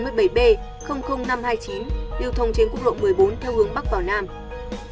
điều thông trên quốc lộ một mươi bốn theo hướng bắc